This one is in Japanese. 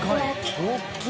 大きい。